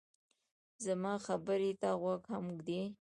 زما خبرې ته غوږ هم ږدې